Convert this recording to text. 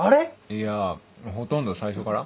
いやほとんど最初から。